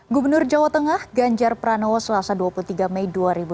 gubernur jawa tengah ganjar pranowo selasa dua puluh tiga mei dua ribu dua puluh